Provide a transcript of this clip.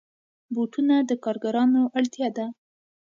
بوټونه د کارګرانو اړتیا ده.